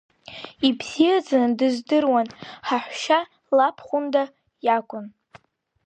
Ибзиаӡаны дыздыруан, ҳаҳәшьа лабхәында иакәын!